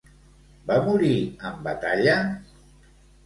Va morir en batalla?